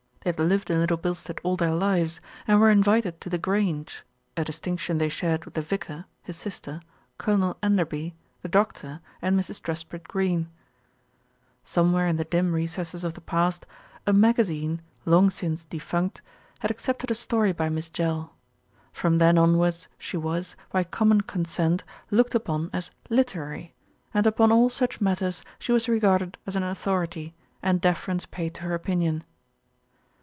They had lived in Little Bilstead all their lives, and were invited to The Grange, a distinction they shared with the vicar, 103 104 THE RETURN OF ALFRED his sister, Colonel Enderby, the doctor, and Mrs. Truspitt Greene. Somewhere in the dim recesses of the past, a maga zine, long since defunct, had accepted a story by Miss Jell. From then onwards she was, by common con sent, looked upon as "literary," and upon all such matters she was regarded as an authority, and defer ence paid to her opinion.